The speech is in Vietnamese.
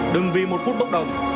đừng vì một phút bốc động